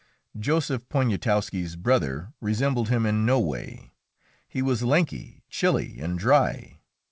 Joseph Poniatowski's brother resembled him in no way; he was lanky, chilly, and dry.